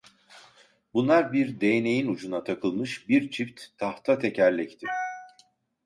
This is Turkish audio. Bunlar bir değneğin ucuna takılmış bir çift tahta tekerlekti.